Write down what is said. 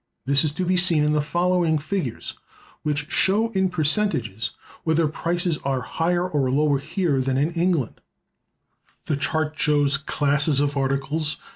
This is to be seen in the following figures,(373) which show, in percentages, whether prices are higher or lower here than in England: Classes of Articles.